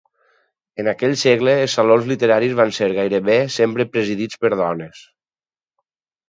En aquell segle els salons literaris van ser gairebé sempre presidits per dones.